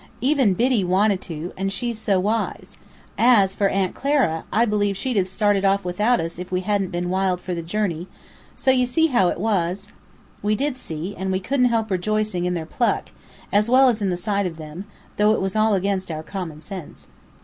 Even Biddy wanted to and she's so wise. As, for Aunt Clara, I believe she'd have started without us, if we hadn't been wild for the journey. So you see how it was!" We did see. And we couldn't help rejoicing in their pluck, as well as in the sight of them, though it was all against our common sense.